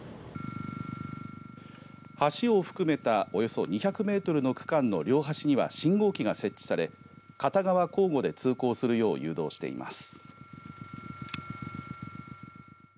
橋を含めたおよそ２００メートルの区間の両端には信号機が設置され、片側交互で通行するよう誘導しています。